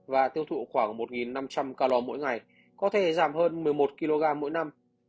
và tiêu thụ khoảng một năm trăm linh calor mỗi ngày có thể giảm hơn một mươi một kg mỗi năm